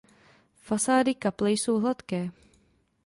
Fasády kaple jsou hladké.